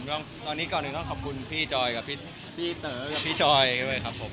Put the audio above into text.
ก็ตอนนี้ก่อนอื่นก็ขอบคุณพี่จอยกับพี่เต๋อกับพี่จอยด้วยครับผม